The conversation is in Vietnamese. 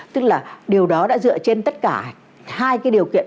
tức là điều đó đã dựa trên tất cả hai cái điều kiện